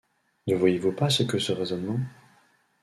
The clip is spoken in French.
Ne voyez-vous pas ce que ce raisonnement